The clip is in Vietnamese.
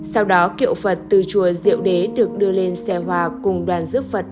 sau đó kiệu phật từ chùa diệu đế được đưa lên xe hòa cùng đoàn diếp phật